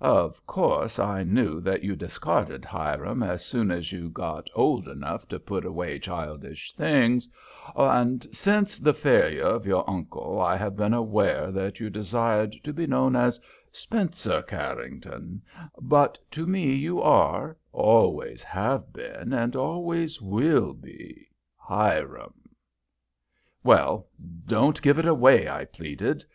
Of course I knew that you discarded Hiram as soon as you got old enough to put away childish things, and since the failure of your uncle I have been aware that you desired to be known as Spencer Carrington, but to me you are, always have been, and always will be, Hiram." "Well, don't give it away," I pleaded.